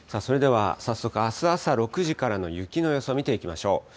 それでは早速、あす朝６時からの雪の予想見ていきましょう。